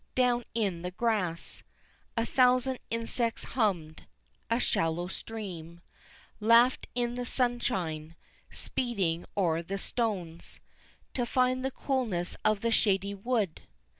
Down in the grass A thousand insects hummed; a shallow stream Laughed in the sunshine, speeding o'er the stones To find the coolness of the shady wood.